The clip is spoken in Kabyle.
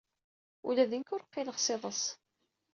Ula d nekk ur qqileɣ s iḍes.